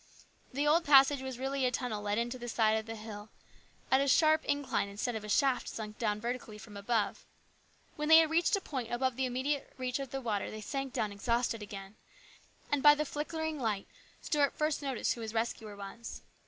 The old passage was really a tunnel let into the side of the hill at a sharp incline instead of a shaft sunk down vertically from above. When they had reached a point above the immediate reach of the water they sank down exhausted again, and by the flickering light Stuart first noticed who his rescuer was.